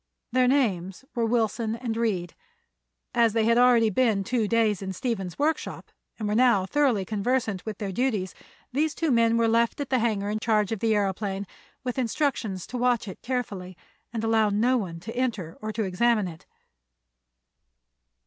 Their names were Wilson and Reed. As they had already been two days in Stephen's workshop and were now thoroughly conversant with their duties, these two men were left at the hangar in charge of the aëroplane, with instructions to watch it carefully and allow no one to enter or to examine it.